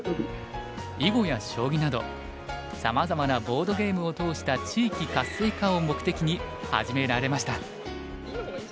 囲碁や将棋などさまざまなボードゲームを通した地域活性化を目的に始められました。